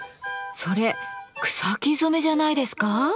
それ草木染めじゃないですか？